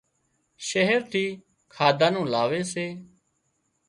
شهر ٿي کاڌا نُون لاوي سي